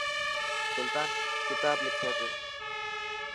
سلطان ڪتا لکي پيو.